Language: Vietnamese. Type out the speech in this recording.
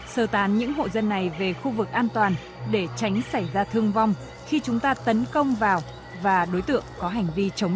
sơ tán những hộ dân này về khu vực an toàn để tránh xảy ra thương vong khi chúng ta tấn công vào và đối tượng có hành vi chống